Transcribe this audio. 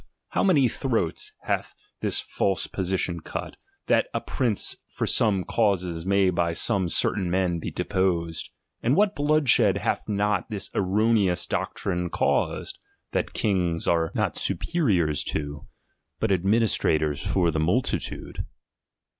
tlow many throats hath this false position cut, t."hat a prince tor some causes may by some certain *iQen be deposed ! And what bloodshed hath not ■fcliis erroneous doctrine caused, that kings are VOL. u. It XU THE PREFACE ^^^^H not superiors to, but administrators for the mul titude